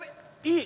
いい！